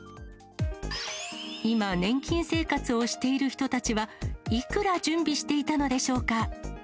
今、年金生活をしている人たちは、いくら準備していたのでしょうか。